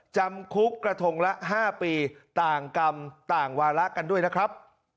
จำคุกกระทงละ๕ปีต่างกรรมต่างวาระกันด้วยนะครับ